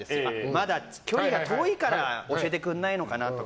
まだ距離が遠いから教えてくれないのかなと。